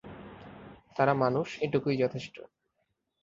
তারা মানুষ, এটুকুই যথেষ্ট!